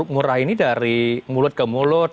murah ini dari mulut ke mulut